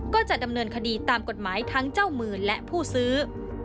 ก็จะดำเนินคดีตามกฎหมายทั้งเจ้ามือและผู้ซื้อ